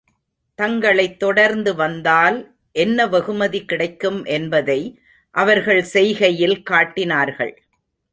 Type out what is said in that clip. தங்களைத் தொடர்ந்து வந்தால், என்ன வெகுமதி கிடைக்கும் என்பதை அவர்கள் செய்கையில் காட்டினார்கள்.